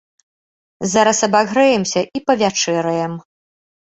Зараз абагрэемся і павячэраем.